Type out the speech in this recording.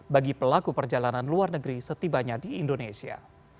bagi pelaku perjalanan luar negeri setibanya di indonesia